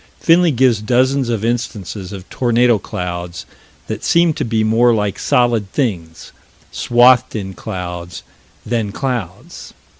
Finley gives dozens of instances of tornado clouds that seem to me more like solid things swathed in clouds, than clouds.